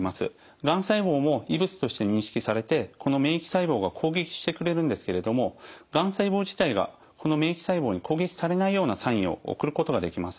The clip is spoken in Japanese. がん細胞も異物として認識されてこの免疫細胞が攻撃してくれるんですけれどもがん細胞自体がこの免疫細胞に攻撃されないようなサインを送ることができます。